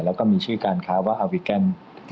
แล้วก็มีชื่อการค้าว่าอาวิแกน